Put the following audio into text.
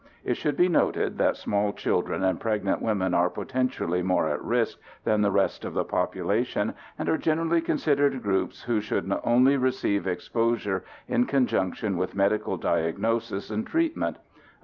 It should be noted that small children and pregnant women are potentially more at risk than the rest of the population and are generally considered groups who should only receive exposure in conjunction with medical diagnosis and treatment.